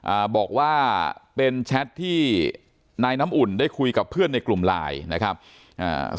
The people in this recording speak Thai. อ่าบอกว่าเป็นแชทที่นายน้ำอุ่นได้คุยกับเพื่อนในกลุ่มไลน์นะครับอ่า